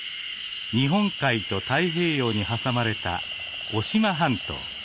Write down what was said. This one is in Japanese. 日本海と太平洋に挟まれた渡島半島。